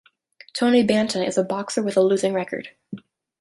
Tony Banta is a boxer with a losing record.